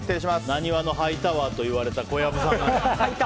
なにわのハイタワーといわれた小籔さんが。